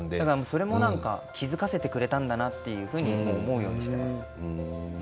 それも気付かせてくれたんだなと思うようにしています。